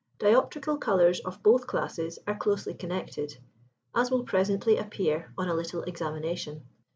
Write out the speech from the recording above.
Dioptrical colours of both classes are closely connected, as will presently appear on a little examination.